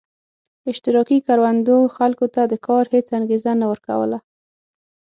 اشتراکي کروندو خلکو ته د کار هېڅ انګېزه نه ورکوله.